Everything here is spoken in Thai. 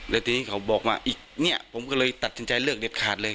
แล้วทีนี้เขาบอกว่าอีกเนี่ยผมก็เลยตัดสินใจเลือกเด็ดขาดเลย